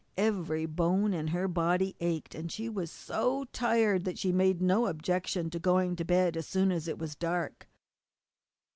Every bone in her body ached, and she was so tired that she made no objection to going to her bed as soon as it was dark.